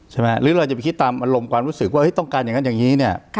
หรือเราจะไปคิดตามอารมณ์ความรู้สึกว่าต้องการอย่างนั้นอย่างนี้เนี่ย